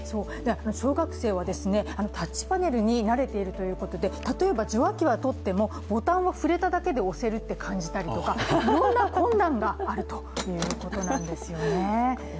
小学生は、タッチパネルに慣れているということで、例えば受話器はとっても、ボタンは触れただけで押せるっていうふうに感じたりいろいろな困難があるということなんですよね